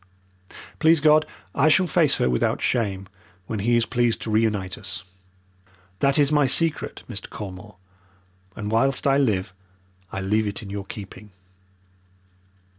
Please God, I shall face her without shame when He is pleased to reunite us! That is my secret, Mr. Colmore, and whilst I live I leave it in your keeping."